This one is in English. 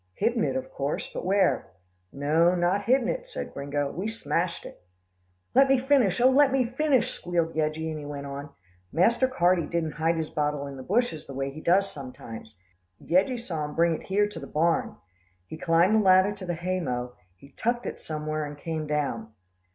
"Hidden it of course, but where?" "No, not hidden it," said Gringo, "we've smashed it." "Let me finish, oh! let me finish," squealed Yeggie, and he went on. "Master Carty didn't hide his bottle in the bushes the way he does sometimes. Yeggie saw him bring it here to the barn. He climbed the ladder to the hay mow, he tucked it somewhere and came down."